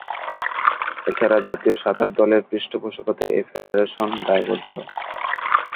এছাড়া জাতীয় সাঁতার দলের পৃষ্ঠপোষকতায় এ ফেডারেশন দায়বদ্ধ।